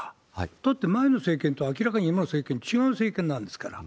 だって、前の政権と、明らかに今の政権、違う政権なんですから。